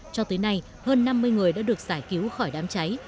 cho tới nay hơn năm mươi người đã được giải cứu khỏi đám cháy